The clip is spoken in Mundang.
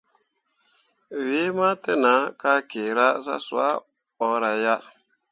Wee ma təʼnah ka kyeera zah swah bəəra ya.